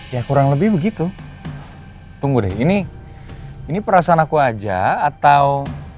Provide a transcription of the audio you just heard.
ya kurang lebih begitu tunggu deh ini ini perasaan aku aja atau